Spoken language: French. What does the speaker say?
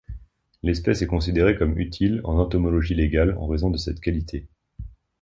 L'espèce est considérée comme utile en entomologie légale en raison de cette qualité.